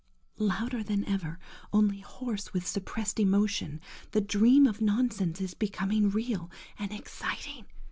.. –Louder than ever, only hoarse with suppressed emotion. The dream of nonsense is becoming real and exciting!